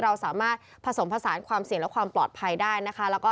เราสามารถผสมผสานความเสี่ยงและความปลอดภัยได้นะคะ